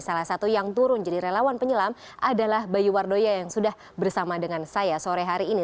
salah satu yang turun jadi relawan penyelam adalah bayu wardoya yang sudah bersama dengan saya sore hari ini